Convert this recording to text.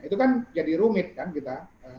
itu kan jadi rumit kan kita